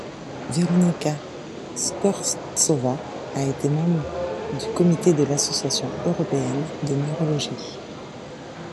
Veronica Skvortsova a été membre du comité de l'Association européenne de neurologie.